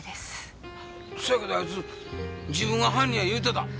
せやけどあいつ自分が犯人や言うてた。